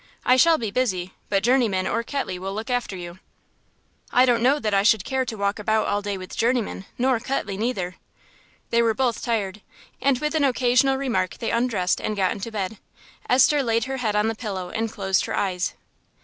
I shall be busy, but Journeyman or Ketley will look after you." "I don't know that I should care to walk about all day with Journeyman, nor Ketley neither." They were both tired, and with an occasional remark they undressed and got into bed. Esther laid her head on the pillow and closed her eyes....